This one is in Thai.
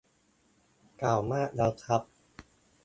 เก่ามากแล้วครับ